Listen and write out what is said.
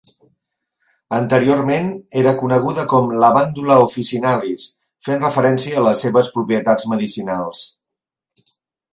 Anteriorment, era coneguda com "Lavandula officinalis", fent referència a les seves propietats medicinals.